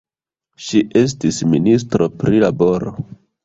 Ŝi estis ministro pri laboro.